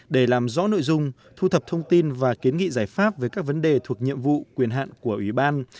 để làm rõ nội dung thu thập thông tin và kiến nghị giải pháp về các vấn đề thuộc nhiệm vụ quyền hạn của ủy ban